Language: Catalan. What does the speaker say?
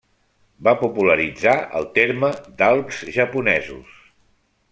Va popularitzar el terme d'Alps japonesos.